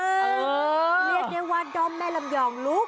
เรียกได้ว่าด้อมแม่ลำยองลูก